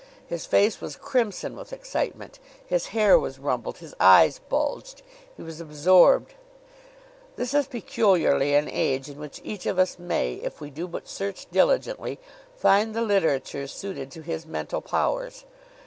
His face was crimson with excitement; his hair was rumpled; his eyes bulged. He was absorbed. This is peculiarly an age in which each of us may, if we do but search diligently, find the literature suited to his mental powers.